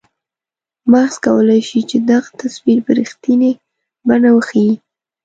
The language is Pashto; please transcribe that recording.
مغز کولای شي چې دغه تصویر په رښتنیې بڼه وښیي.